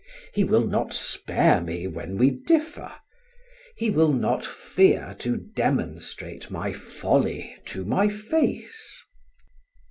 He will not spare me when we differ; he will not fear to demonstrate my folly to my face.